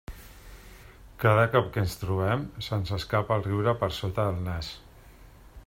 Cada cop que ens trobem, se'ns escapa el riure per sota el nas.